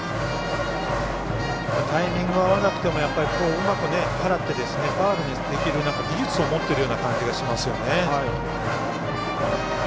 タイミングあわなくてもうまく払って、ファウルにできる技術を持っているような感じがしますよね。